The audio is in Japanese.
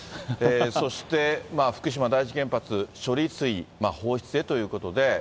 そして、福島第一原発、処理水放出へということで。